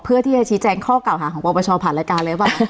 เพื่อที่จะชี้แจงข้อเก่าหาของปปชผ่านรายการเลยหรือเปล่า